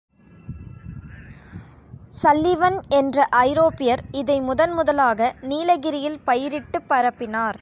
Sullivan என்ற ஐரோப்பியர் இதை முதன் முதலாக நீலகிரியில் பயிரிட்டுப் பரப்பினார்.